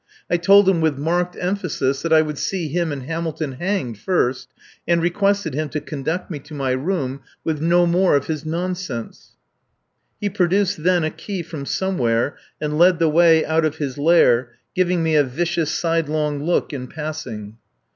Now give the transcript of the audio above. I told him with marked emphasis that I would see him and Hamilton hanged first, and requested him to conduct me to my room with no more of his nonsense. He produced then a key from somewhere and led the way out of his lair, giving me a vicious sidelong look in passing.